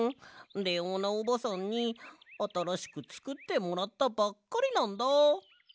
レオーナおばさんにあたらしくつくってもらったばっかりなんだ。